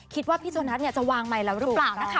คิดว่าพี่โจนัสจะวางใหม่แล้วหรือเปล่านะคะ